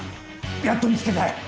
やっと見つけたよ。